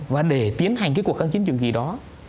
và để tiến hành cái cuộc kháng chiến trường kỳ đó